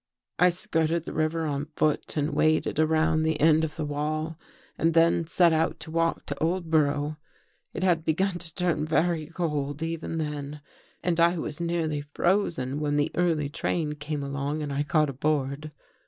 " I skirted the river on foot and waded around the end of the wall and then set out to walk to Old borough. It had begun to turn very cold even then, and I was nearly frozen when the early train came along and I got aboard.